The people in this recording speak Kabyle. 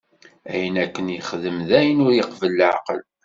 Ayen akken yexdem, d ayen ur iqebbel leɛqel.